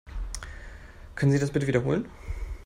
Können Sie das bitte wiederholen?